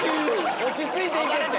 落ち着いて行けって！